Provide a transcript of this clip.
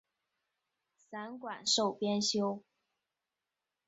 散馆授编修。